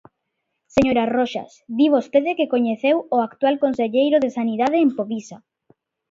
Señora Roxas, di vostede que coñeceu o actual conselleiro de Sanidade en Povisa.